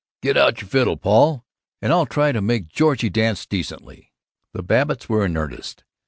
Get out your fiddle, Paul, and I'll try to make Georgie dance decently." The Babbitts were in earnest.